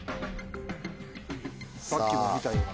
さっきも見たような。